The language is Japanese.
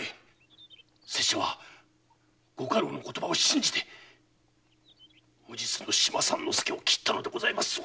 拙者はご家老の言葉を信じて無実の島三之介を斬ったのでございますぞ！